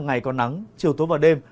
ngày có nắng chiều tối và đêm